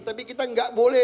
tapi kita tidak boleh